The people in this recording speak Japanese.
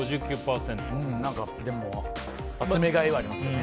でも、集めがいがありますよね。